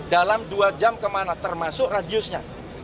dalam dua jam kemana termasuk radiusnya